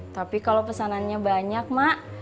tapi kalau pesanannya banyak mak